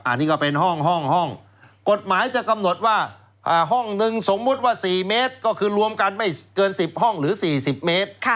อันนี้ก็เป็นห้องห้องกฎหมายจะกำหนดว่าห้องนึงสมมุติว่า๔เมตรก็คือรวมกันไม่เกิน๑๐ห้องหรือ๔๐เมตร